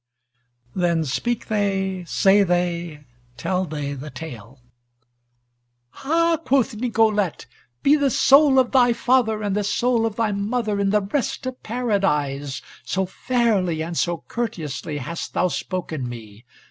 Then speak they, say they, tell they the Tale: "Ha!" quoth Nicolete, "be the soul of thy father and the soul of thy mother in the rest of Paradise, so fairly and so courteously hast thou spoken me!